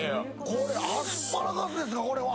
これ、アスパラガスですかこれは。